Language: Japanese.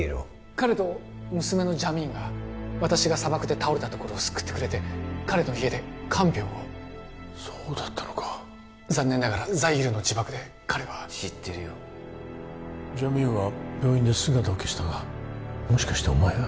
彼と娘のジャミーンが私が砂漠で倒れたところを救ってくれて彼の家で看病をそうだったのか残念ながらザイールの自爆で彼は知ってるよジャミーンは病院で姿を消したがもしかしてお前が？